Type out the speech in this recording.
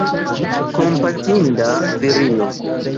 Kompatinda virino!